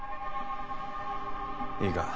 いいか？